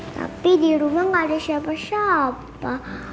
tapi di rumah gak ada siapa siapa